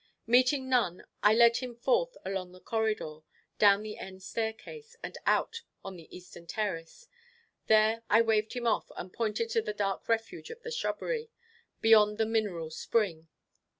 Meeting none, I led him forth along the corridor, down the end staircase, and out on the eastern terrace. There I waved him off, and pointed to the dark refuge of the shrubbery, beyond the mineral spring.